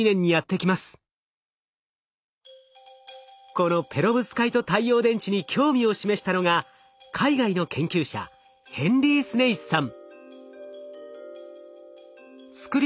このペロブスカイト太陽電池に興味を示したのが海外の研究者ヘンリー・スネイスさん。